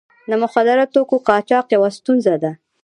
د مخدره توکو قاچاق یوه ستونزه ده.